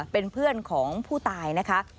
เป็นเพื่อนของผู้ตายนะคะ